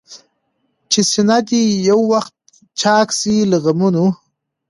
چي سينه دي يو وخت چاك سي له غمونو؟